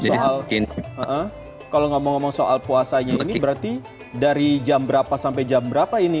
soal kalau ngomong ngomong soal puasanya ini berarti dari jam berapa sampai jam berapa ini